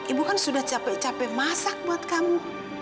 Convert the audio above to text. ibu kan sudah capek capek masak buat kamu